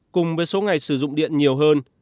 cùng với số ngày sử dụng điện nhiều hơn